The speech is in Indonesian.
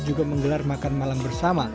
juga menggelar makan malam bersama